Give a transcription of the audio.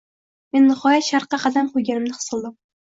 Men nihoyat sharqqa qadam qo‘yganimni his qildim.